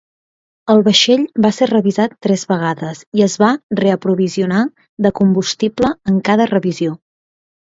El vaixell va ser revisat tres vegades i es va reaprovisionar de combustible en cada revisió.